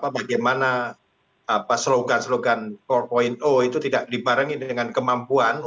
bagaimana slogan slogan empat itu tidak dibarengi dengan kemampuan